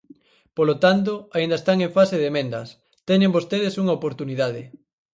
Polo tanto, aínda están en fase de emendas, teñen vostedes unha oportunidade.